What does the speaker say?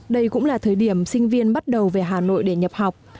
đây cũng là thời điểm sinh viên bắt đầu về hà nội để nhập học